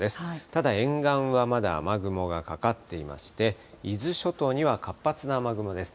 ただ、沿岸はまだ雨雲がかかってまして、伊豆諸島には活発な雨雲です。